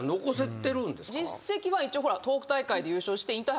実績は一応ほら。